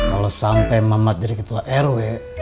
kalau sampai mamat jadi ketua rw